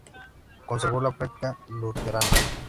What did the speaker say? Conservó la práctica luterana.